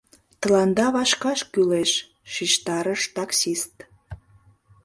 — Тыланда вашкаш кӱлеш, — шижтарыш таксист.